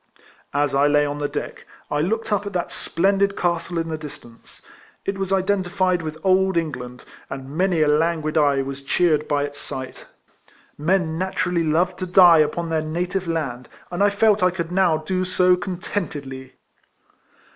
As T lay on the deck, I looked up at that splendid castle in the distance. It was identified with old England, and many a languid eye was cheered by its sight. Men naturally love to die upon their native land, and I felt I could now do so contentedly